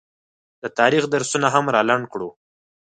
د تاریخ درسونه هم رالنډ کړو